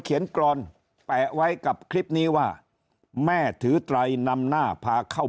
กรอนแปะไว้กับคลิปนี้ว่าแม่ถือไตรนำหน้าพาเข้า